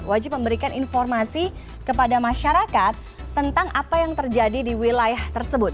wajib memberikan informasi kepada masyarakat tentang apa yang terjadi di wilayah tersebut